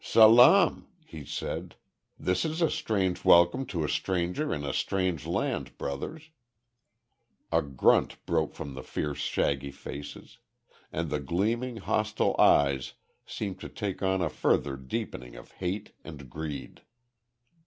"Salaam!" he said. "This is a strange welcome to a stranger in a strange land, brothers." A grunt broke from the fierce shaggy faces; and the gleaming, hostile eyes seemed to take on a further deepening of hate and greed.